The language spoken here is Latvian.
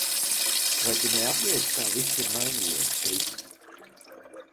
Vai tu neapjēdz, kā viss ir mainījies, Kris?